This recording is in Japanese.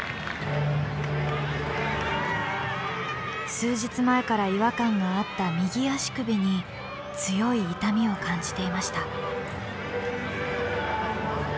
数日前から違和感があった右足首に強い痛みを感じていました。